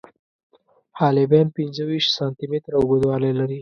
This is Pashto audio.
حالبین پنځه ویشت سانتي متره اوږدوالی لري.